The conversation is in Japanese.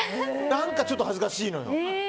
何かちょっと恥ずかしいのよ。